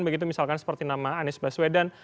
begitu misalkan seperti nama anies baswedan